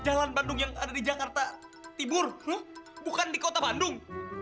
jalan bandung yang ada di jakarta timur bukan di kota bandung